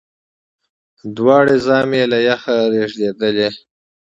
دواړي زامي یې له یخه رېږدېدلې